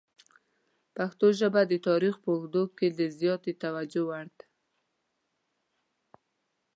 پښتو ژبه د تاریخ په اوږدو کې د زیاتې توجه وړ ده.